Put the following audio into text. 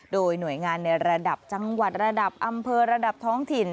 โดยหน่วยงานในระดับจังหวัดระดับอำเภอระดับท้องถิ่น